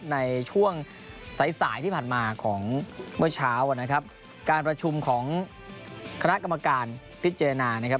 ในช่วงสายสายที่ผ่านมาของเมื่อเช้านะครับการประชุมของคณะกรรมการพิจารณานะครับ